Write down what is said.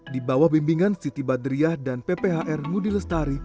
di bawah bimbingan siti badriah dan pphr ngudi lestari